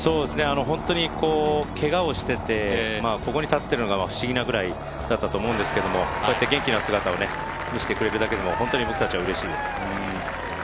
本当にけがをしていて、ここに立っているのが不思議なくらいだったと思うんですけれども、こうやって元気な姿を見せてくれるだけでも、本当に僕たちはうれしいです。